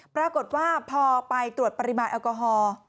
ปรากฏว่าพอไปตรวจปริมาณแอลกอฮอล์